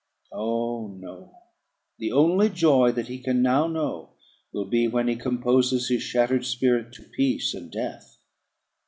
Oh, no! the only joy that he can now know will be when he composes his shattered spirit to peace and death.